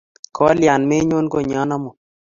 Kolya menyon konyon amut?